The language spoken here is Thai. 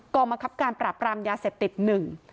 กรรมคับการปราบรามยาเสพติดหนึ่ง